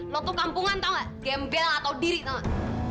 lo tuh kampungan tau gak gembel atau diri tau gak